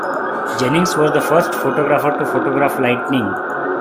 Jennings was the first photographer to photograph lightning.